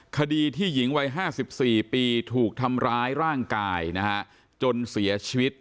คดีที่หญิงวัย๕๔ปีถูกทำร้ายร่างกายนะฮะจนเสียชีวิต